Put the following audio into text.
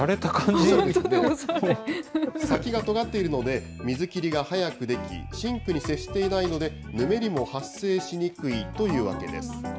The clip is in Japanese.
先がとがっているので、水切りが早くでき、シンクに接していないので、ぬめりも発生しにくいというわけです。